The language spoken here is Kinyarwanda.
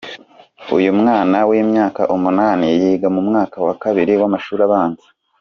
Uyu mwana w’imyaka umunani, yiga mu mwaka wa kabiri w’amashuri abanza.